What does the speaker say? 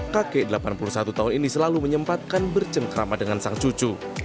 kakek delapan puluh satu tahun ini selalu menyempatkan bercengkrama dengan sang cucu